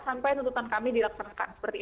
sampai tuntutan kami dilaksanakan